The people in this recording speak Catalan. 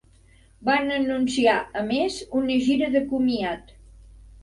Van anunciar a més una gira de comiat.